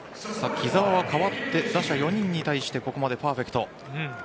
木澤は代わって打者４人に対してここまでパーフェクト。